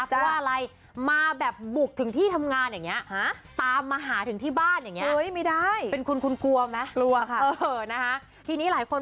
เพราะว่าอะไรมาแบบบุกถึงที่ทำงานอย่างเงี้ย